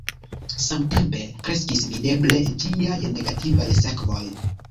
Samtempe kreskis videble ĝiaj negativaj sekvoj.